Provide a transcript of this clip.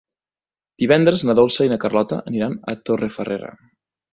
Divendres na Dolça i na Carlota aniran a Torrefarrera.